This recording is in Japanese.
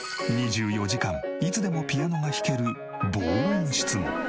２４時間いつでもピアノが弾ける防音室も。